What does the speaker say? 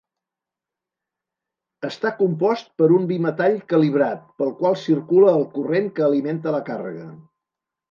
Està compost per un bimetall calibrat pel qual circula el corrent que alimenta la càrrega.